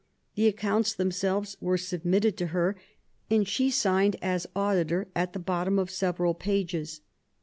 The accounts themselves were submitted to her and she signed as auditor at the bottom of several pages.